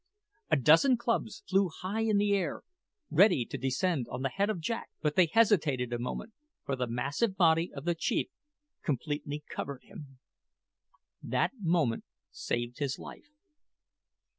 A dozen clubs flew high in air, ready to descend on the head of Jack; but they hesitated a moment, for the massive body of the chief completely covered him. That moment saved his life.